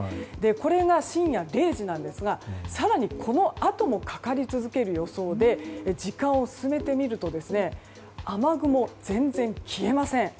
これが深夜０時なんですが更に、このあともかかり続ける予想で時間を進めてみると雨雲が全然消えません。